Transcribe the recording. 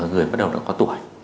ở người bắt đầu đã có tuổi